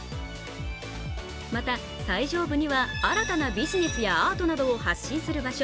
また最上部には新たなビジネスやアートなどを発信する場所